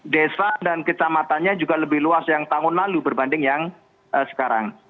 desa dan kecamatannya juga lebih luas yang tahun lalu berbanding yang sekarang